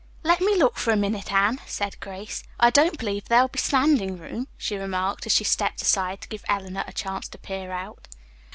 "Let me look for a minute, Anne," said Grace. "I don't believe there'll be standing room," she remarked, as she stepped aside to give Eleanor a chance to peer out.